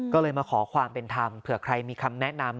ก็เลยมาขอความเป็นธรรมเผื่อใครมีคำแนะนำ